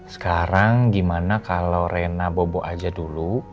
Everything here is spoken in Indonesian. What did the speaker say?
sekarang gimana kalau rena bobo aja dulu